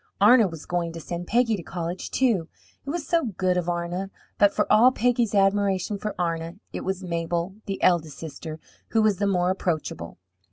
Arna was going to send Peggy to college, too it was so good of Arna! But for all Peggy's admiration for Arna, it was Mabel, the eldest sister, who was the more approachable.